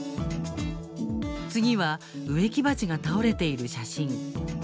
次は植木鉢が倒れている写真。